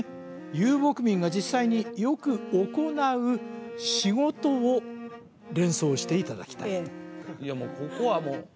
遊牧民が実際によく行う仕事を連想していただきたいええ